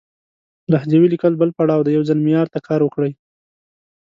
لهجوي ليکل بل پړاو دی، يو ځل معيار ته کار وکړئ!